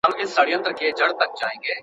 او دا غزل مي ولیکل `